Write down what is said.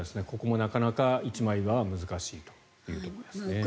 ここもなかなか一枚岩は難しいということですね。